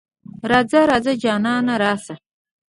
راځه ـ راځه جانانه راشه.